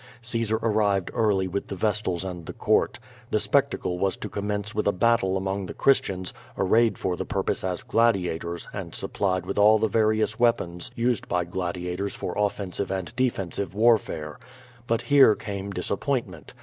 Caesar arrived early with the vestals and the court. The spectacle \vas to commence with a battle among the Christians, arrayed for the purpose as gladiators and supplied with all the var ious weapons used by gladiators for offensive and defensive warfare. But here came disappointment.